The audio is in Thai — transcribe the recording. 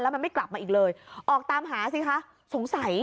แล้วมันไม่กลับมาอีกเลยออกตามหาสิคะ